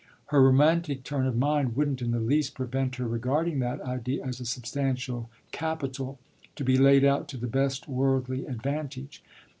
Her romantic turn of mind wouldn't in the least prevent her regarding that idea as a substantial capital, to be laid out to the best worldly advantage.